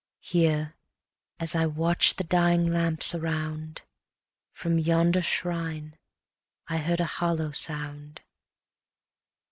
Here, as I watch'd the dying lamps around, From yonder shrine I heard a hollow sound.